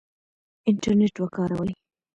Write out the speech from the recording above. انټرنیټ وکاروئ.